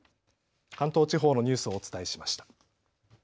関東地方のニュースをお伝えしました。